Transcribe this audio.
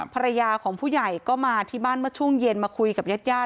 ภรรยาของผู้ใหญ่ก็มาที่บ้านเมื่อช่วงเย็นมาคุยกับญาติญาติ